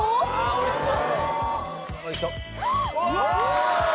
おいしそう！